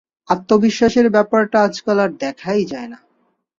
আত্মবিশ্বাসের ব্যাপারটা আজকাল আর দেখাই যায় না।